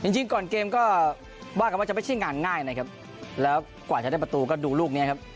จริงก่อนเกมก็ว่ากันว่าจะไม่ใช่งานง่ายนะครับแล้วกว่าจะได้ประตูก็ดูลูกนี้ครับ